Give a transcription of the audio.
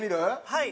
はい。